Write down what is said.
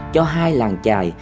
cho hai làng trài